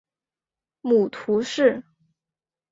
母屠氏。